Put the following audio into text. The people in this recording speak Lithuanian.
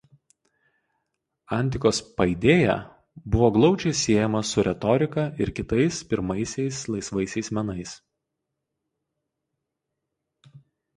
Antikos "paideia" buvo glaudžiai siejama su retorika ir kitais pirmaisiais laisvaisiais menais.